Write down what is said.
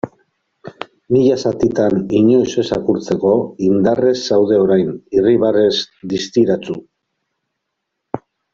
Mila zatitan inoiz ez apurtzeko, indarrez zaude orain, irribarrez distiratsu.